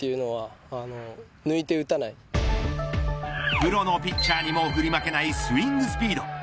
プロのピッチャーにも振り負けないスイングスピード。